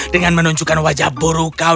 dengan menunjukkan wajah buruk kau